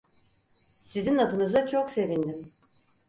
Sizin adınıza çok sevindim.